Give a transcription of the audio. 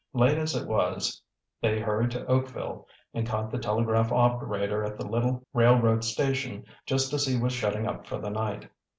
Late as it was, they hurried to Oakville and caught the telegraph operator at the little railroad station just as he was shutting up for the night.